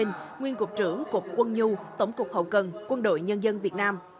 nguyên cục trưởng cục quân nhu tổng cục hậu cần quân đội nhân dân việt nam